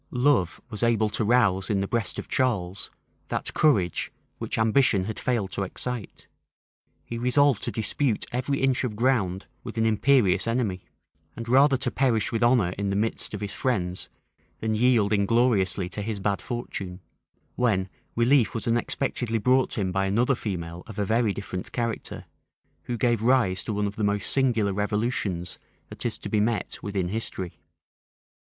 Love was able to rouse in the breast of Charles that courage which ambition had failed to excite: he resolved to dispute every inch of ground with an imperious enemy, and rather to perish with honor in the midst of his friends, than yield ingloriously to his bad fortune; when relief was unexpectedly brought him by another female of a very different character, who gave rise to one of the most singular revolutions that is to be met with in history.